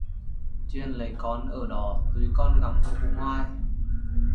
Chuyện lấy con ở đó, tui còn găm vô bụng hoài